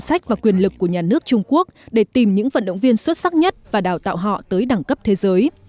sách và quyền lực của nhà nước trung quốc để tìm những vận động viên xuất sắc nhất và đào tạo họ tới đẳng cấp thế giới